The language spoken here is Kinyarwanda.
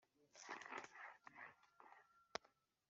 ni bwo nibutse uhoraho